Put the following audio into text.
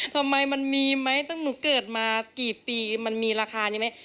ทำไมมันมีไหมตั้งหนูเกิดมากี่ปีมันมีราคานี้ไหม